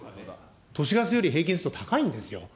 都市ガスより平均すると高いんですよ。